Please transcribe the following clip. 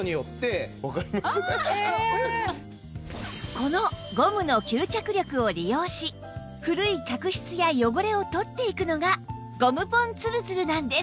このゴムの吸着力を利用し古い角質や汚れを取っていくのがゴムポンつるつるなんです